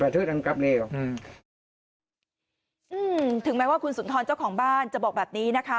อืมถึงแม้ว่าคุณสุนทรเจ้าของบ้านจะบอกแบบนี้นะคะ